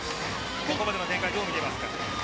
ここまでの展開どう見ていますか。